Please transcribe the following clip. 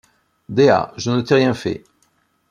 Dea ! je ne t’ai rien fait !